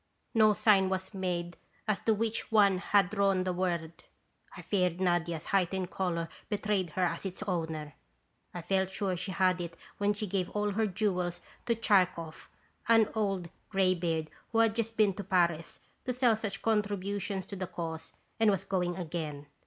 No sign was made as to which one had drawn the word. I feared Nadia's heightened color betrayed her as its owner. I felt sure she had it when she gave all her jewels to Tchartkoff, an old gray beard who had just been to Paris to sell such contribu tions to the Cause and was going again.